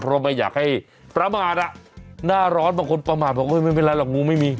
เพราะว่าไม่อยากให้ประมาณนะร้อนแบบกว่าไม่อะไรหรอกงูมันไม่มี